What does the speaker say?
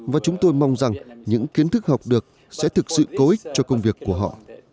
và chúng tôi mong rằng những kiến thức học được sẽ thực sự cố ích cho công việc của họ